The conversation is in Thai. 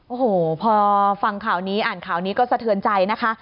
โอ้โหพอฟังข่าวนี้อ่านข่าวนี้ก็สะเทือนใจนะคะ